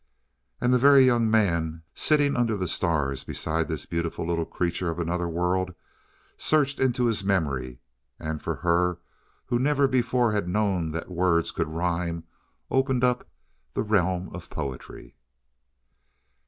And the Very Young Man, sitting under the stars beside this beautiful little creature of another world, searched into his memory and for her who never before had known that words could rhyme, opened up the realm of poetry.